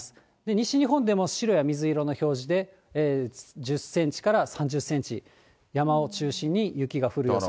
西日本でも白や水色の表示で、１０センチから３０センチ、山を中心に雪が降る予想。